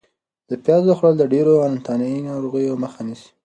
د پیازو خوړل د ډېرو انتاني ناروغیو مخه نیسي.